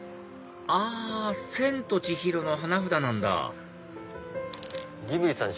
あ『千と千尋』の花札なんだジブリさん